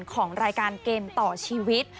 ของรายการเกมต่อชีวิต